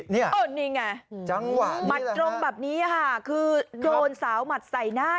นี่ไงจังหวะนี้นะคะคือโดนสาวหมัดใส่หน้า